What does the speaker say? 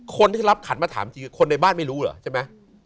คนที่รับขันมาถามจริงคนในบ้านไม่รู้เหรอใช่ไหม